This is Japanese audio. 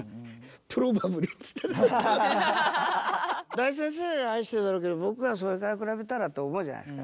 大先生は愛してるだろうけど僕はそれから比べたらと思うじゃないですか。